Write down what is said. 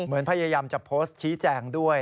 เหมือนพยายามจะโพสต์ชี้แจงด้วย